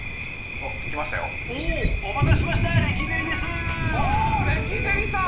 ああレキデリさん！